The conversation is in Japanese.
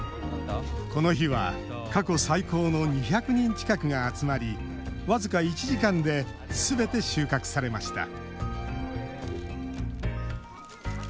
この日は過去最高の２００人近くが集まり僅か１時間ですべて収穫されました